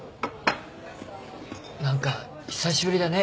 何か久しぶりだね。